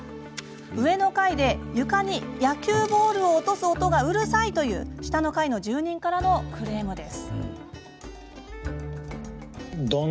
上の階で床に野球ボールを落とす音がうるさいという下の階の住人からのクレームです。